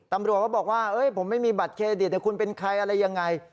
ตำรวจก็บอกว่าผมไม่มีบัตรเครดิตเดี๋ยวคุณเป็นใครอะไรยังไง